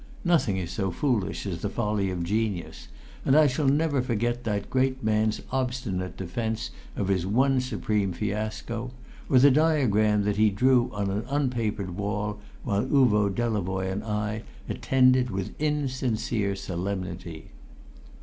Nothing is so foolish as the folly of genius, and I shall never forget that great man's obstinate defence of his one supreme fiasco, or the diagram that he drew on an unpapered wall while Uvo Delavoye and I attended with insincere solemnity.